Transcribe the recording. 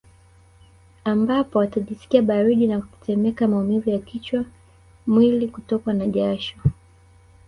Ambapo atajisikia baridi na kutetemeka maumivu ya kichwa mwili Kutokwa na jasho